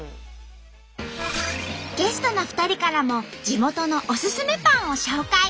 ゲストの２人からも地元のオススメパンを紹介！